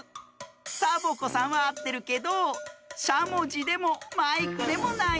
サボ子さんはあってるけどしゃもじでもマイクでもないんです。